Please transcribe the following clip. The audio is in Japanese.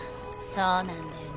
そうなんだよね。